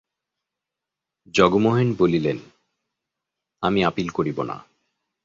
জগমোহন বলিলেন, আমি আপিল করিব না।